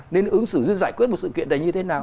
nên ứng xử giải quyết một sự kiện này như thế nào